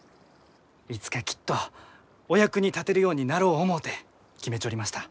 いつかきっとお役に立てるようになろう思うて決めちょりました。